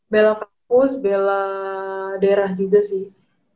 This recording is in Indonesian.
belok kampus bela daerah juga sih